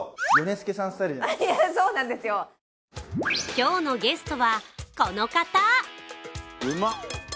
今日のゲストはこの方。